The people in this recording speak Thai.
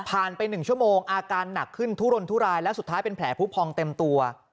ไป๑ชั่วโมงอาการหนักขึ้นทุรนทุรายแล้วสุดท้ายเป็นแผลผู้พองเต็มตัว